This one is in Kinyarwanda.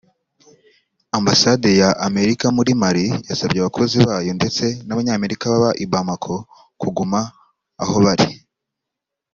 Ambasade ya Amerika muri Mali yasabye abakozi bayo ndetse n’Abanyamerika baba i Bamako kuguma aho bari